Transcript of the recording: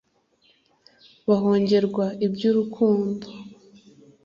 bahongerwa iby’urukundo